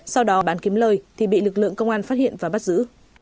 sau đó bán kiếm lời thì bị lực lượng công an phát hiện và bắt giữ